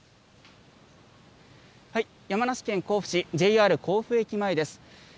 山梨県甲府市、ＪＲ甲府駅前です。